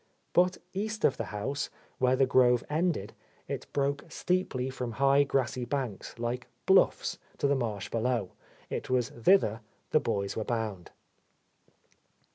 But east of the house, where the grove ended, it broke steeply from high grassy banks, like bluffs, to the marsh below. It was thither the boys were bound.